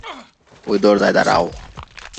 ঐ দরজায় দাঁড়াও।